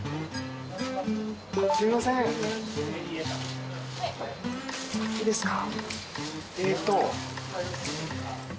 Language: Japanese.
すいませんいいですか？